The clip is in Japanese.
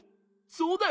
そうだよ。